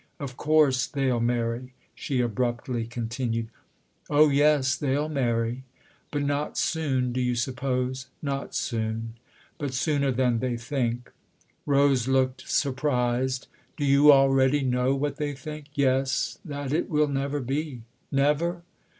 Of course they'll marry," she abruptly continued. " Oh yes, they'll marry." " But not soon, do you suppose ?"" Not soon. But sooner than they think." Rose looked surprised. "Do you already know what they think ?"" Yes that it will never be." "Never?"